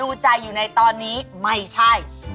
ดูใจอยู่ในตอนนี้ไม่ใช่